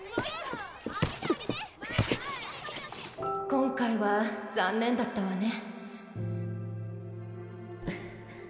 今回は残念だったわね。